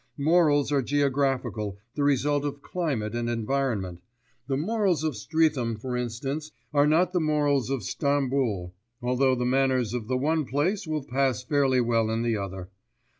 Morals are geographical, the result of climate and environment. The morals of Streatham, for instance, are not the morals of Stamboul, although the manners of the one place will pass fairly well in the other.